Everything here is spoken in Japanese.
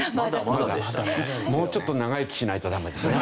もうちょっと長生きしないとダメですね。